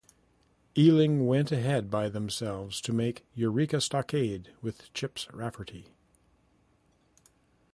Ealing went ahead by themselves to make "Eureka Stockade" with Chips Rafferty.